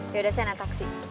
yaudah saya naik taksi